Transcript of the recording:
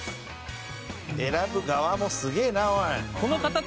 選ぶ側もすげえなおい！